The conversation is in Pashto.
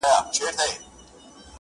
هغې په نيمه شپه ډېـــــوې بلــــي كړې_